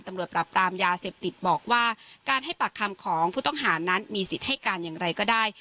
ตำรวจปรับปรามยาเสพติดบอกว่าการให้ปากคำของผู้ต้องหานั้นมีสิทธิ์ให้การอย่างไรก็ได้